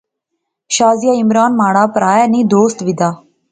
شازیہ عمران مہاڑا پرہا ایہہ نی دوست وی دا